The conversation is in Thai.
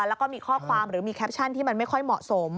แล้วก็มีข้อความหรือมีแคปชั่นที่มันไม่ค่อยเหมาะสม